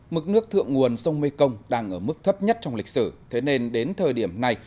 mức nước thượng nguồn sông mekong đang ở mức thấp nhất trong lịch sử thế nên đến thời điểm này